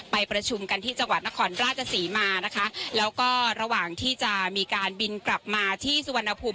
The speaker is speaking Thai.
ไปประชุมกันที่จังหวัดนครราชศรีมานะคะแล้วก็ระหว่างที่จะมีการบินกลับมาที่สุวรรณภูมิ